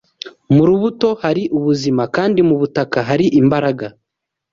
Mu rubuto hari ubuzima, kandi mu butaka hari imbaraga